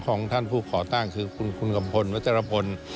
ของท่านผู้ก่อตั้งคือคุณกัมพลวัชรพล